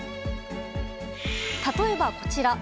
例えば、こちら。